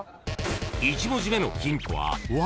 ［１文字目のヒントは「わ」］